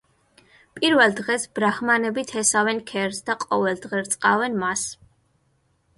პირველ დღეს ბრაჰმანები თესავენ ქერს და ყოველ დღე რწყავენ მას.